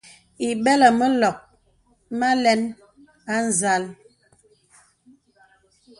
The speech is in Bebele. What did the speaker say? Ìbɛlə mə lɔ̀k mə alɛn â nzàl.